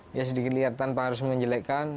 dia sedikit lihat tanpa harus menjelekkan